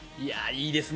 いいですね。